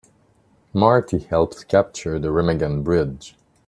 Marty helped capture the Remagen Bridge.